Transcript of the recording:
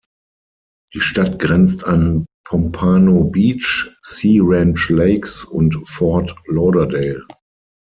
Die Stadt grenzt an Pompano Beach, Sea Ranch Lakes und Fort Lauderdale.